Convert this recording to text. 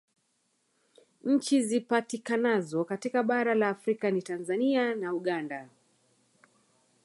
Nchi zipatikanazo katika bara la Afrika ni Tanzania na Uganda